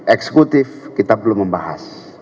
eksekutif kita belum membahas